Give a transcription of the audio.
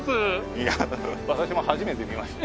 いや私も初めて見ました。